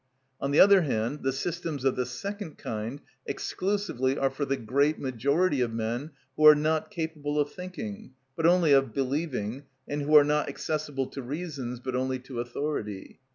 On the other hand, the systems of the second kind exclusively are for the great majority of men who are not capable of thinking, but only of believing, and who are not accessible to reasons, but only to authority.